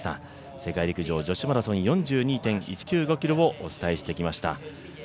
世界陸上女子マラソン４２．１９５ｋｍをお伝えしてきました。